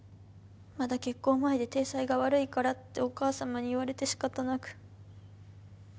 まだ結婚前で体裁が悪いからってお母さまに言われて仕方なく。